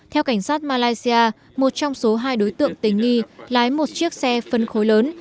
theo cảnh sát malaysia một trong số hai đối tượng tình nghi lái một chiếc xe phân khối lớn